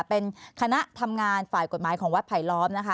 เป็นคณะทำงานฝ่ายกฎหมายของวัดไผลล้อมนะคะ